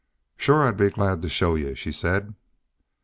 "Shore I'll be glad to show y'u," she said.